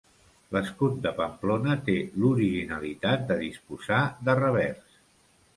L'escut de Pamplona té l'originalitat de disposar de revers.